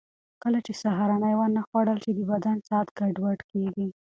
کله چې سهارنۍ ونه خورل شي، د بدن ساعت ګډوډ کېږي.